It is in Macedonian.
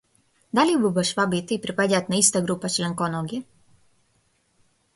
Дали бубашвабите и припаѓаат на иста група членконоги?